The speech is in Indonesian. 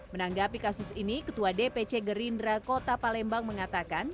menanggapi kasus ini ketua dpc gerindra kota palembang mengatakan